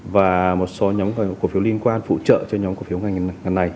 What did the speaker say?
và một số nhóm cổ phiếu liên quan phụ trợ cho nhóm cổ phiếu ngành này